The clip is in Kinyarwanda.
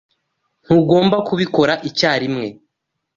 Ntugomba kubikora icyarimwe.